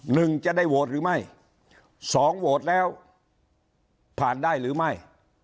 หนึ่งจะได้โหวตหรือไม่สองโหวตแล้วผ่านได้หรือไม่